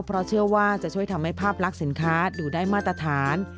เพราะเชื่อว่าจะช่วยทำให้ภาพลักษณ์สินค้าดูได้มาตรฐาน